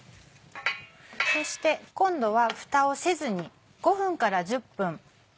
そして今度はふたをせずに。